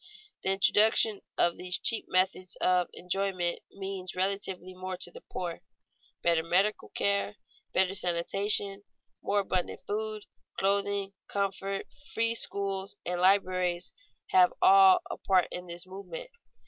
The introduction of these cheap methods of enjoyment means relatively more to the poor. Better medical care, better sanitation, more abundant food, clothing, comfort, free schools, and libraries have all a part in this movement.